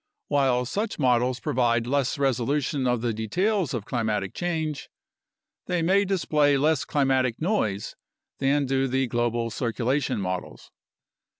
While such models provide less resolution of the details of climatic change, they may display less climatic noise than do the global circulation models.